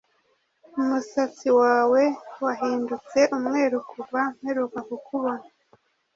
Umusatsi wawe wahindutse umweru kuva mperuka kukubona